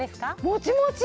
もちもち！